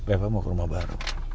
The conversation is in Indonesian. level mau ke rumah baru